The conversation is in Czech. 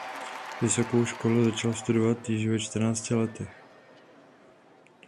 Vysokou školu začal studovat již ve čtrnácti letech.